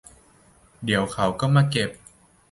เดี๋ยวเขามาเก็บเอง